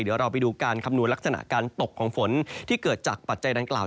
เดี๋ยวเราไปดูการคำนวณลักษณะการตกของฝนที่เกิดจากปัจจัยดังกล่าว